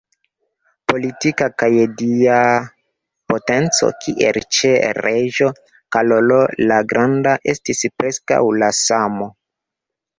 Politika kaj dia potenco, kiel ĉe reĝo Karolo la Granda, estis preskaŭ la samo.